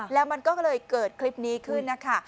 แล้วมันก็เลยเกิดคลิปนี้ขึ้นนะคะ